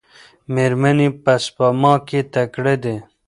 میرمنې په سپما کې تکړه دي.